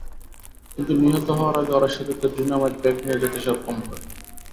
কিন্তু নিহত হওয়ার আগে ওরা সেতুতে ডিনামাইট প্যাক নিয়ে যেতে সক্ষম হয়।